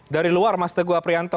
dari luar mas teguh aprianto